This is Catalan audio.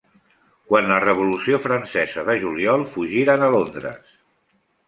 Quan la Revolució francesa de Juliol fugiren a Londres.